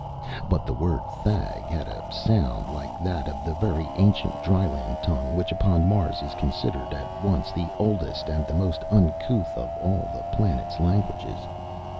But the word "Thag" had a sound like that of the very ancient dryland tongue, which upon Mars is considered at once the oldest and the most uncouth of all the planet's languages.